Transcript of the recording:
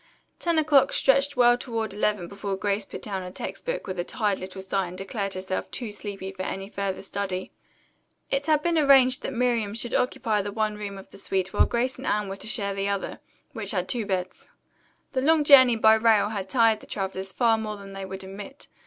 Ten o'clock stretched well toward eleven before Grace put down her text book with a tired little sigh and declared herself too sleepy for further study. It had been arranged that Miriam should occupy the one room of the suite while Grace and Anne were to share the other, which had two beds. The long journey by rail had tired the travelers far more than they would admit.